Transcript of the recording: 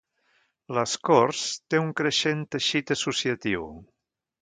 Les Corts té un creixent teixit associatiu.